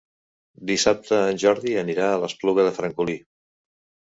Dissabte en Jordi anirà a l'Espluga de Francolí.